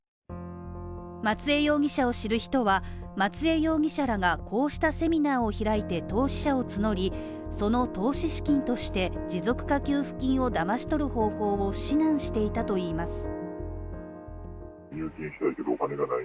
松江容疑者を知る人は松江容疑者らがこうしたセミナーを開いて投資者を募り、その投資資金として持続化給付金をだまし取る方法を指南していたといいます。